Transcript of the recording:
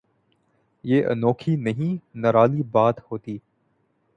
یہ انوکھی نہیں نرالی بات ہوتی۔